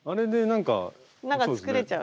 なんか作れちゃう。